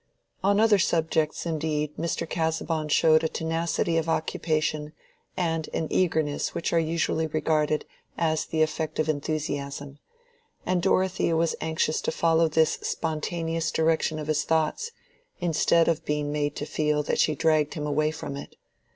On other subjects indeed Mr. Casaubon showed a tenacity of occupation and an eagerness which are usually regarded as the effect of enthusiasm, and Dorothea was anxious to follow this spontaneous direction of his thoughts, instead of being made to feel that she dragged him away from it.